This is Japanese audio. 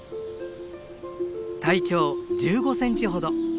体長１５センチほど。